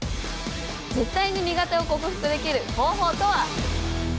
絶対に苦手を克服できる方法とは？